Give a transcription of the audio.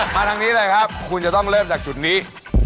ทางนี้เลยครับคุณจะต้องเริ่มจากจุดนี้